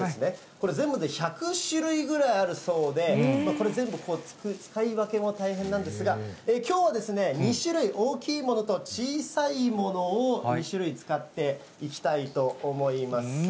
これ、全部で１００種類ぐらいあるそうで、これ全部、使い分けも大変なんですが、きょうは２種類、大きいものと小さいものを２種類使っていきたいと思います。